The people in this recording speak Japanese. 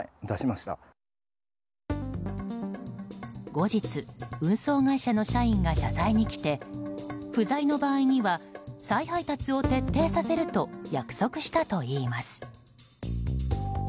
後日、運送会社の社員が謝罪に来て不在の場合には再配達を徹底させると約束したといいます。